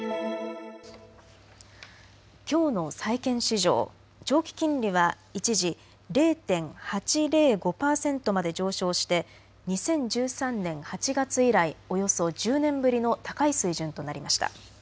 きょうの債券市場、長期金利は一時０．８０５％まで上昇して２０１３年８月以来、およそ１０年ぶりの高い水準となりました。